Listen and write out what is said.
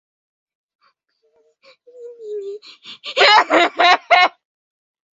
Está enterrado en el cementerio de su ciudad natal.